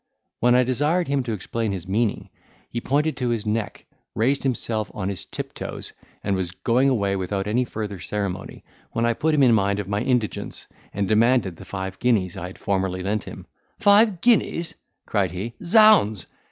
When I desired him to explain his meaning, he pointed to his neck, raised himself on his tiptoes, and was going away without any further ceremony, when I put him in mind of my indigence, and demanded the five guineas I had formerly lent him. "Five guineas?" cried he; "zounds!